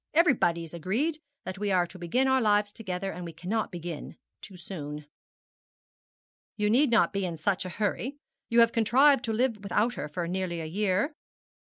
Everybody is agreed that we are to begin our lives together, and we cannot begin too soon.' 'You need not be in such a hurry. You have contrived to live without her for nearly a year.'